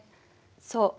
そう。